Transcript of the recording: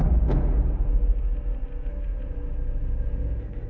tentara kamanan rakyat